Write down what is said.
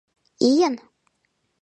— Ийын?